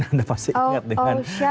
anda pasti ingat dengan